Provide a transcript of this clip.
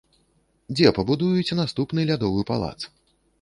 Дзе пабудуюць наступны лядовы палац?